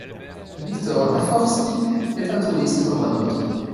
Viktor Navorski est un touriste comme un autre.